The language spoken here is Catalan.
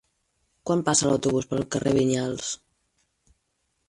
Quan passa l'autobús pel carrer Vinyals?